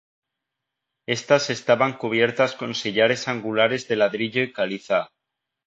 Estas estaban cubiertas con sillares angulares de ladrillo y caliza.